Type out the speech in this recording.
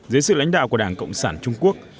dưới sự lãnh đạo của đảng cộng sản trung quốc